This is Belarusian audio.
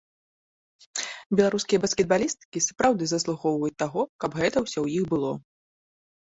Беларускія баскетбалісткі сапраўды заслугоўваюць таго, каб гэта ўсё ў іх было.